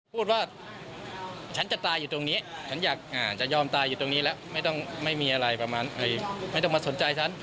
พูดว่าฉันจะตายอยู่ตรงนี้ฉันอยากจะยอมตายอยู่ตรงนี้แล้วไม่ต้องไม่มีอะไรประมาณไม่ต้องมาสนใจฉัน